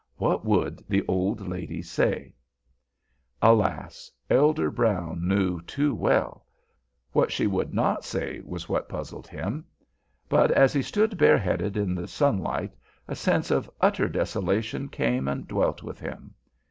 What would the old lady say? Alas! Elder Brown knew too well. What she would not say was what puzzled him. But as he stood bareheaded in the sunlight a sense of utter desolation came and dwelt with him.